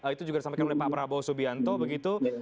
itu juga disampaikan oleh pak prabowo subianto begitu